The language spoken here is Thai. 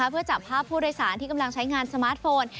เพื่อจับภาพผู้โดยสารที่กำลังใช้งานสมาร์ทโฟน